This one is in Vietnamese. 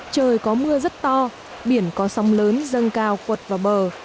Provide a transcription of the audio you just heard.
trời có mưa rất to biển có sóng lớn dâng cao quật vào bờ